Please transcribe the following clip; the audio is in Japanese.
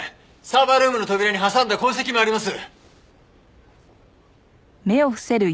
サーバールームの扉に挟んだ痕跡もあります。